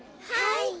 はい。